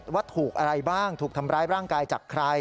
ว่าถูกอะไรบ้างถูกทำร้ายร่างกายจากใคร